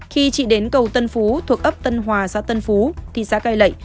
khi chị đến cầu tân phú thuộc ấp tân hòa xã tân phú thị xã cai lậy